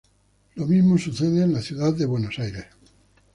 Lo mismo sucede en la ciudad de Buenos Aires.